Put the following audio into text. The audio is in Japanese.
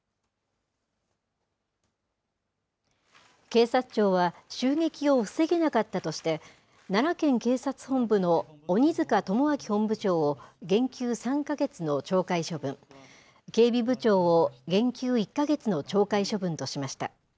警察庁は、襲撃を防げなかったとして、奈良県警察本部の鬼塚友章本部長を減給３か月の懲戒処分、警備部長を減給１か月の懲戒処分としました。